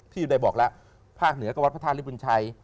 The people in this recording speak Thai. ที่ได้บอกแล้วภาคเหนือก็วัดพระท่านลิพุทธชัย